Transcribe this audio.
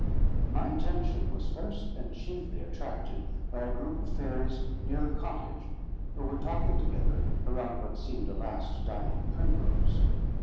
But my attention was first and chiefly attracted by a group of fairies near the cottage, who were talking together around what seemed a last dying primrose.